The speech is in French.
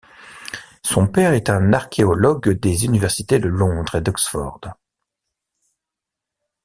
Son père est un archéologue des universités de Londres et d'Oxford.